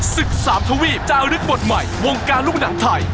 ศึกสามทวีปจารึกบทใหม่วงการลูกหนังไทย